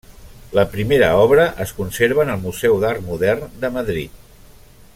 La primera obra es conserva en el Museu d'Art Modern de Madrid.